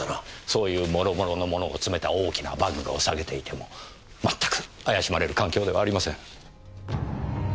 そういうもろもろのものを詰めた大きなバッグを提げていてもまったく怪しまれる環境ではありません。